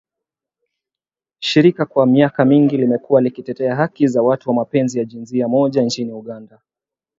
Shirika kwa miaka mingi limekuwa likitetea haki za watu wa mapenzi ya jinsia moja nchini Uganda